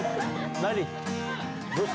何？